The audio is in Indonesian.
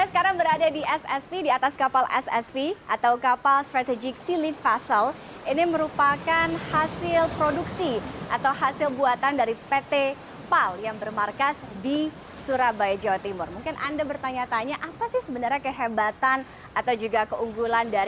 kepala kepala kepala